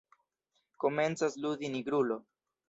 Komencas ludi Nigrulo.